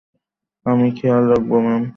আমি খেয়াল রাখব ম্যাম।